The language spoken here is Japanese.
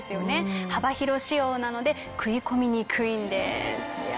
幅広仕様なので食い込みにくいんです。